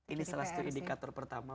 ini salah satu indikator pertama